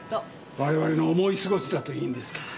我々の思い過ごしだといいんですけどね。